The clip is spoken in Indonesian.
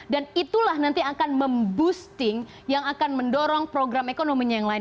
dan itulah nanti akan memboosting yang akan mendorong program ekonominya yang lain